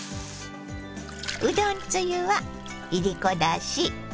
うどんつゆはいりこだし